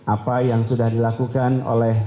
apa yang sudah dilakukan oleh